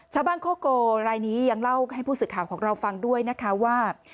ชาวบ้านโคโกลลายนี้ยังเล่าให้ผู้สึกข่าวของเราฟังด้วยนะคะว่า